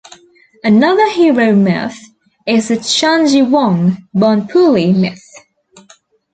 Another hero myth is the "Cheonjiwang Bonpuli" myth.